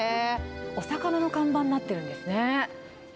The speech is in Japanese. お魚の看板になっているんですね。